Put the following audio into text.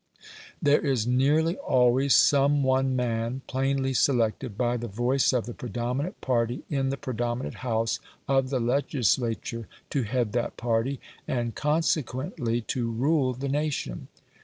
There is nearly always some one man plainly selected by the voice of the predominant party in the predominant house of the legislature to head that party, and consequently to rule the nation.